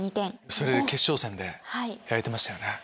それ決勝戦でやられてましたよね。